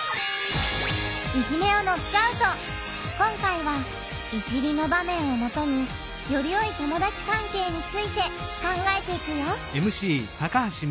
今回は「いじり」の場面をもとによりよい友だち関係について考えていくよ！